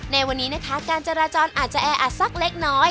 ในวันนี้นะคะการจราจรอาจจะแออัดสักเล็กน้อย